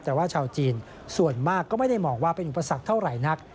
แต่ว่าชาวจีนส่วนมากก็ไม่ได้มองว่าเป็นอุปสรรคเท่าไหร่นัก